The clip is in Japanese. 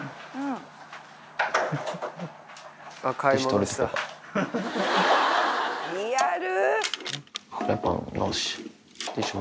リアル。